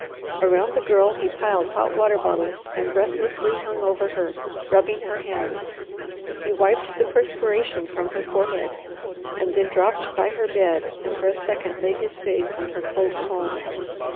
Around the Girl he piled hot water bottles and breathlessly hung over her, rubbing her hands. He wiped the perspiration from her forehead, and then dropped by her bed and for a second laid his face on her cold palm.